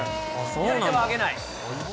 左手は上げない。